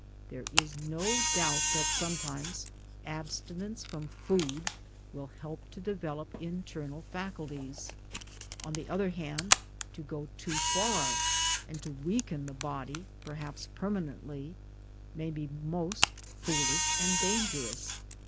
There is no doubt that sometimes abstinence from food will help to develop internal faculties. On the other hand to go too far and to weaken the body, perhaps permanently, may be most foolish, and dangerous.